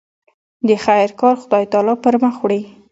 د خیر کار خدای تعالی پر مخ وړي.